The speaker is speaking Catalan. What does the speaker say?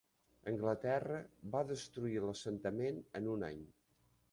Anglaterra va destruir l'assentament en un any.